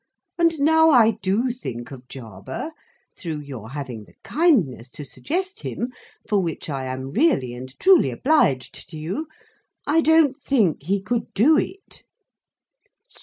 And now I do think of Jarber, through your having the kindness to suggest him—for which I am really and truly obliged to you—I don't think he could do it."